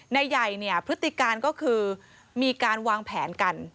นายใหญ่พฤติการก็คือมีการวางแผนกัน